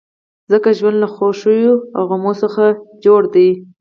ځکه ژوند له خوښیو او غمو څخه جوړ دی.